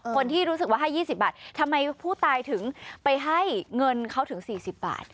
คนที่รู้สึกว่าให้๒๐บาททำไมผู้ตายถึงไปให้เงินเขาถึง๔๐บาท